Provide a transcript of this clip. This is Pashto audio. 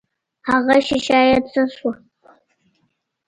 هغه ښيښه يې څه سوه.